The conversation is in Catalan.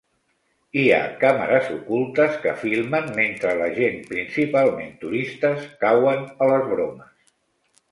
Hi ha càmeres ocultes que filmen mentre la gent, principalment turistes, cauen a les bromes.